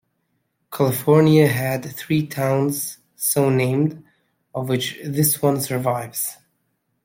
California had three towns so named of which this one survives.